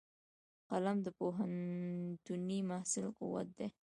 قلم د پوهنتوني محصل قوت دی